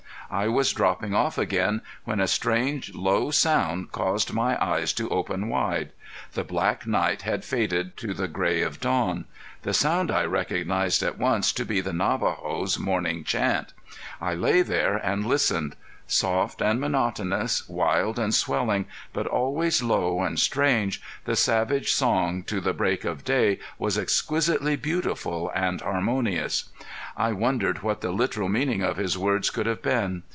I was dropping off again when a strange, low sound caused my eyes to open wide. The black night had faded to the gray of dawn. The sound I recognized at once to be the Navajo's morning chant. I lay there and listened. Soft and monotonous, wild and swelling, but always low and strange, the savage song to the break of day was exquisitely beautiful and harmonious. I wondered what the literal meaning of his words could have been.